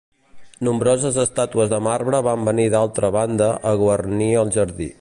Nombroses estàtues de marbre van venir d'altra banda a guarnir el jardí.